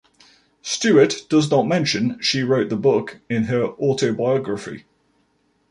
Stuart does not mention "She Wrote the Book" in her autobiography.